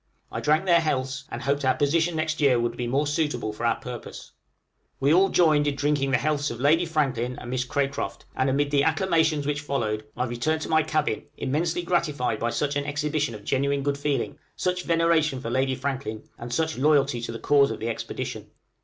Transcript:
I drank their healths, and hoped our position next year would be more suitable for our purpose. We all joined in drinking the healths of Lady Franklin and Miss Cracroft, and amid the acclamations which followed I returned to my cabin, immensely gratified by such an exhibition of genuine good feeling, such veneration for Lady Franklin, and such loyalty to the cause of the expedition.